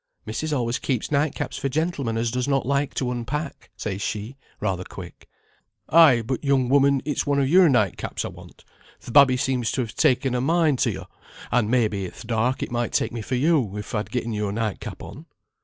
"'Missis always keeps night caps for gentlemen as does not like to unpack,' says she, rather quick. "'Ay, but young woman, it's one of your night caps I want. Th' babby seems to have taken a mind to yo; and may be in th' dark it might take me for yo if I'd getten your night cap on.'